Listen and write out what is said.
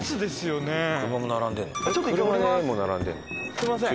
すいません。